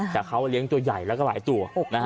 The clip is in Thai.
แต่เขาเลี้ยงตัวใหญ่แล้วก็หลายตัว